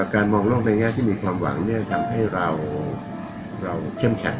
การมองโลกในแง่ที่มีความหวังจะทำให้เราเข้มแข็ง